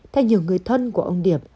theo nhiều người thân của ông điệp